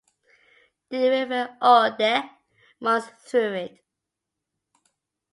The River Aude runs through it.